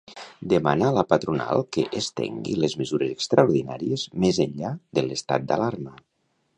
Demana a la patronal que estengui les mesures extraordinàries més enllà de l'estat d'alarma.